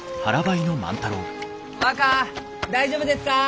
若大丈夫ですか？